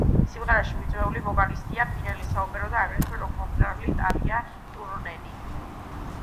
სიმღერაში მიწვეული ვოკალისტია ფინელი საოპერო და აგრეთვე როკ-მომღერალი ტარია ტურუნენი.